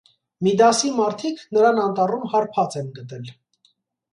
Միդասի մարդիկ նրան անտառում հարբած են գտել։